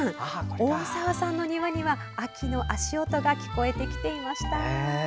大澤さんの庭には秋の足音が聞こえてきていました。